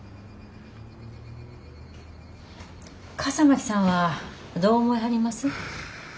笠巻さんはどう思いはります？